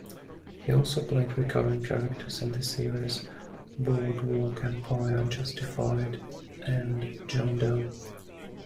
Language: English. He also played recurring characters in the series "Boardwalk Empire", "Justified", and "John Doe".